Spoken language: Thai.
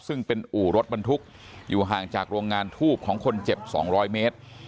ซึ่งเป็นอู่รถบรรทุกอยู่ห่างจากโรงงานทูบของคนเจ็บ๒๐๐เมตร